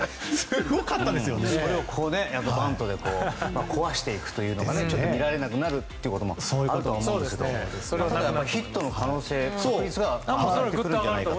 そこをバントで壊していくというのが見られなくなるというのがあると思うんですけどヒットの可能性、確率が上がってくるんじゃないかと。